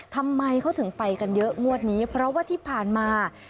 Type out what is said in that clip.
ทำไมเขาถึงไปกันเยอะงวดนี้เพราะว่าที่ผ่านมา